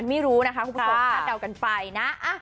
ไม่รู้นะคะคุณผู้ชมคาดเดากันไปนะ